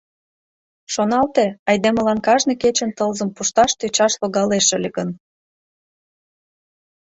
Шоналте, айдемылан кажне кечын тылзым пушташ тӧчаш логалеш ыле гын.